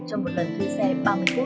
trong một lần thuê xe ba mươi phút